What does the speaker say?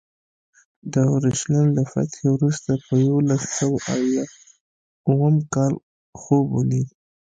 د اورشلیم له فتحې وروسته په یوولس سوه اویا اووم کال خوب ولید.